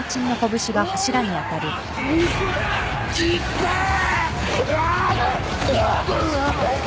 痛え！